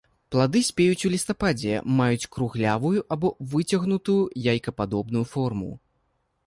Плады спеюць у лістападзе, маюць круглявую або выцягнутую яйкападобную форму.